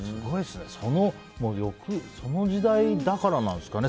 その時代だからなんですかね。